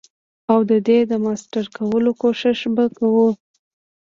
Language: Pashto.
او ددی د ماستر کولو کوښښ به کوو.